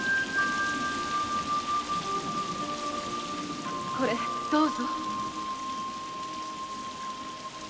〔これどうぞ〕